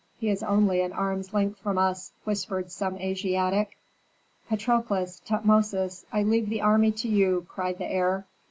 He is only an arm's length from us!" whispered some Asiatic. "Patrokles, Tutmosis, I leave the army to you!" cried the heir.